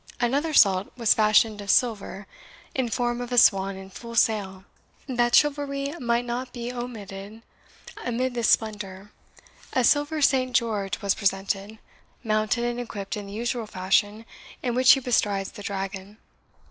Another salt was fashioned of silver, in form of a swan in full sail. That chivalry might not be omitted amid this splendour, a silver Saint George was presented, mounted and equipped in the usual fashion in which he bestrides the dragon.